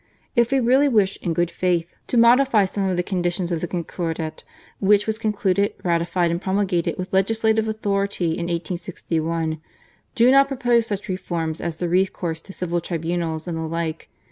If we really wish in good faith to modify some of the conditions of the Concordat, which was concluded, ratified, and promulgated with legislative authority in 1861, do not propose such reforms as the recourse to civil tribunals and the like.